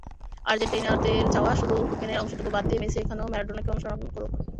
আর্জেন্টাইনদের চাওয়া, শুধু কোকেনের অংশটুকু বাদ দিয়ে, মেসি এখানেও ম্যারাডোনাকে অনুসরণ করুন।